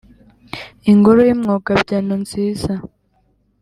. Ingoro y’Umwogabyano! nziza